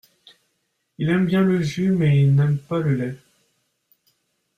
Il aime bien le jus mais il n’aime pas le lait.